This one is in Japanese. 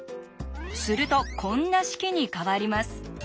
するとこんな式に変わります。